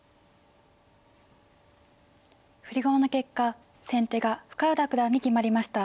振り駒の結果先手が深浦九段に決まりました。